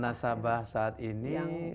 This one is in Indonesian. nasabah saat ini